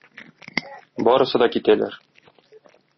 Барысы да китәләр.